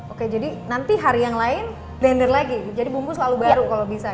oke jadi nanti hari yang lain blender lagi jadi bumbu selalu baru kalau bisa